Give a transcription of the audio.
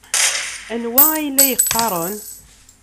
Anwa ay la yeqqaren?